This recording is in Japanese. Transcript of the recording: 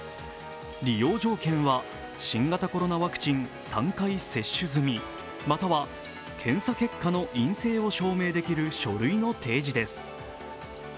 利用条件は、新型コロナワクチン３回接種済みまたは検査結果の陰性を証明できる書類の提示です。